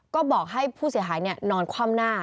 ก็บอกให้ผู้เสียหายนอนคว่ำหน้า